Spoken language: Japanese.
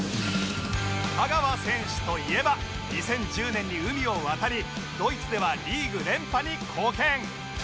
香川選手といえば２０１０年に海を渡りドイツではリーグ連覇に貢献